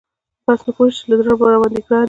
بس نو پوه شه چې له زړه راباندی ګران یي .